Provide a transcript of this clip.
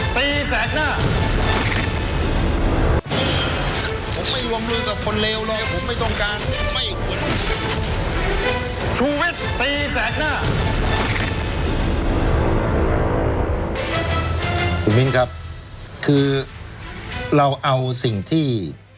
คุณมิ้นครับคือเราเอาสิ่งที่